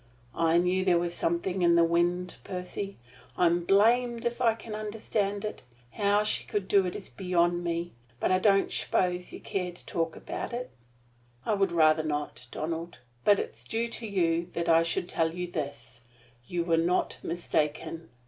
"I knew there was something in the wind, Percy. I'm blamed if I can understand it. How she can do it is beyond me. But I don't s'pose you care to talk about it." "I would rather not, Donald. But it is due to you that I should tell you this: You were not mistaken.